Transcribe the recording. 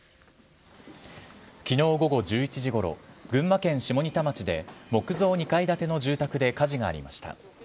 きのう午後１１時ごろ、群馬県下仁田町で、木造２階建ての住宅で火事がありました。